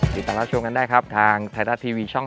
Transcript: สนิทต่างรถชมกันได้ครับทางไทรัชท์ทีวีช่อง๓๒